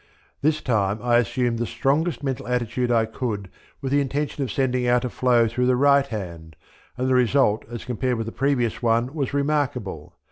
This time I assumed the strongest mental attitude I could with the intention of sending out a flow through the right hand, and the result as compared with the previous one was remarkable.